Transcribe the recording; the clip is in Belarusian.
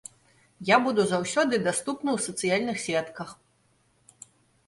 Я буду заўсёды даступны ў сацыяльных сетках.